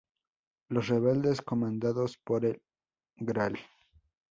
Los rebeldes comandados por el Gral.